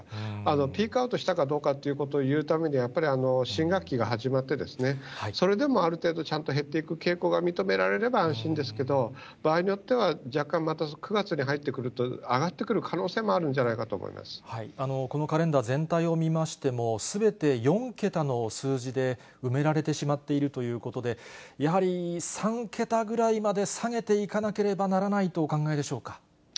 ピークアウトしたかどうかということを言うためには、やっぱり新学期が始まって、それでもある程度ちゃんと減っていく傾向が認められれば安心ですけど、場合によっては、若干、また９月に入ってくると上がってくる可能性もあるんじゃないかとこのカレンダー全体を見ましても、すべて４桁の数字で埋められてしまっているということで、やはり３桁ぐらいまで下げていかなければならないとお考えでしょうか。